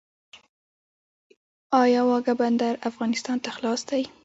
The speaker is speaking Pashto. آیا واګه بندر افغانستان ته خلاص دی؟